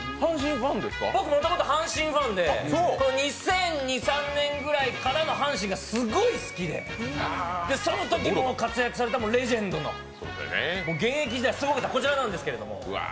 僕、もともと阪神ファンで、２００２２００３年ぐらいからの阪神がすごいファンでそのとき活躍されたレジェンドの、現役時代すごかった。